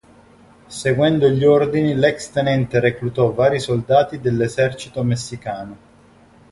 Seguendo gli ordini l'ex tenente reclutò vari soldati dell'esercito messicano.